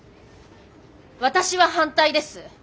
私は反対です。